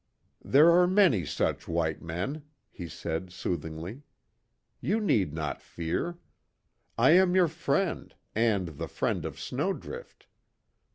"There are many such white men," he said, soothingly. "You need not fear. I am your friend, and the friend of Snowdrift.